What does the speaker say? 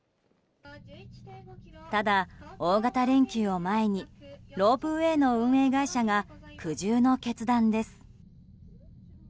ただ、大型連休を前にロープウェーの運営会社が苦渋の決断です。